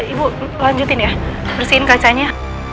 ibu lanjutin ya bersihin kacanya